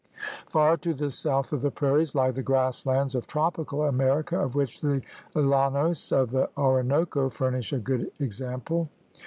Far to the south of the prairies lie the grass lands of tropical America, of which the llanos of the Orinoco furnish a good example.